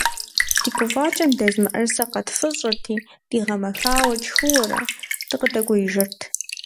Ди гуфӏакӏэм дэз мыӏэрысэ къэтфыщӏырти, дигъэмэхауэ тшхыуэрэ, дыкъыдэкӏуеижырт.